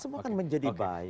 semuanya menjadi baik